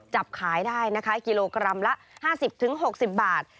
จับขายได้นะคะกิโลกรัมละ๕๐๖๐บาท